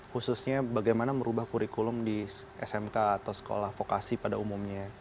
khususnya bagaimana merubah kurikulum di smk atau sekolah vokasi pada umumnya